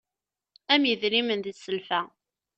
Am idrimen di sselfa.